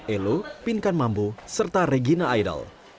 elo pinkan mambo serta regina idol